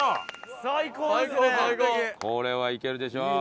これはいけるでしょう。